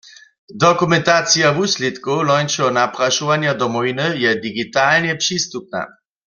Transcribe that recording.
Dokumentacija wuslědkow lońšeho naprašowanja Domowiny je digitalnje přistupna.